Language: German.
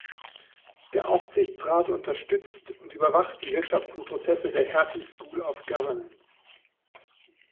Der Aufsichtsrat unterstützt und überwacht die wirtschaftlichen Prozesse der Hertie School of Governance.